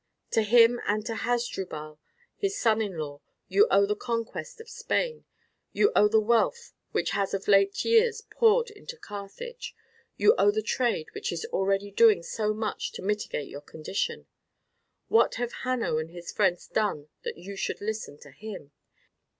To him and to Hasdrubal, his son in law, you owe the conquest of Spain, you owe the wealth which has of late years poured into Carthage, you owe the trade which is already doing so much to mitigate your condition. What have Hanno and his friends done that you should listen to him?